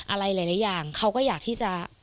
อะไรหลายอย่างเขาก็อยากที่จะ